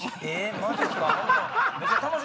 マジっすか？